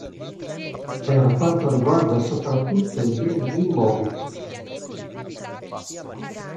Per quanto riguarda soprattutto i beni immobili.